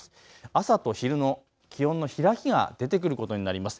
朝と昼の気温の開きが出てくることになります。